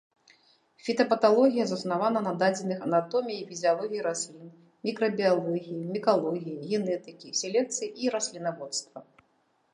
Фітапаталогія заснавана на дадзеных анатоміі і фізіялогіі раслін, мікрабіялогіі, мікалогіі, генетыкі, селекцыі і раслінаводства.